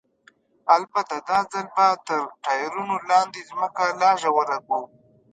البته دا ځل به تر ټایرونو لاندې ځمکه لا ژوره کړو.